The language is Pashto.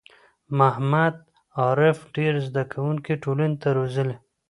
محمد عارف ډېر زده کوونکی ټولنې ته روزلي